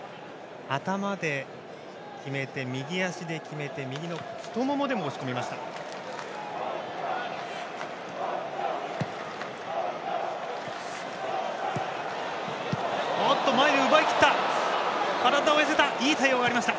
頭で決めて、右足で決めて右の太ももでも押し込みました。